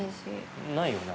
ないよね？